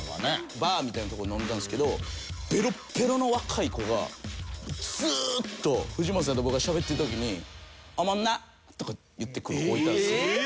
バーみたいなとこで飲んでたんですけどずーっと藤本さんと僕がしゃべってる時に「おもんな」とか言ってくる子がいたんですよ。